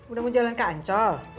udah mau jalan kancol